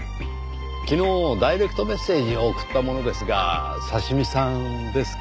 昨日ダイレクトメッセージを送った者ですがｓａｓｈｉｍｉさんですか？